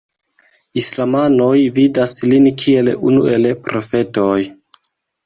Islamanoj vidas lin kiel unu el profetoj.